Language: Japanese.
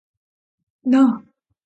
なあ